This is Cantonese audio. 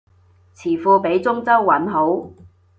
詞庫畀中州韻好